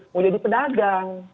mau jadi pedagang